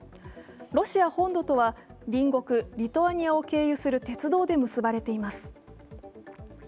ロシア本土とは隣国リトアニアを経由する鉄道で結ばれています。